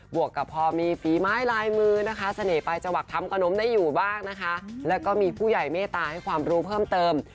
วกกับพอมีฝีไม้ลายมือนะคะเสน่ห์จังหวัดทำขนมได้อยู่บ้างนะคะแล้วก็มีผู้ใหญ่เมตตาให้ความรู้เพิ่มเติม